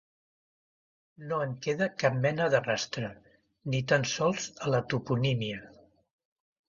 No en queda cap mena de rastre, ni tan sols a la toponímia.